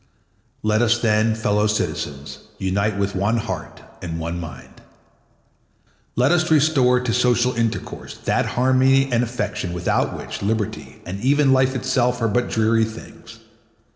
Let us, then, fellow citizens, unite with one heart and one mind. Let us restore to social intercourse that harmony and affection without which liberty and even life itself are but dreary things.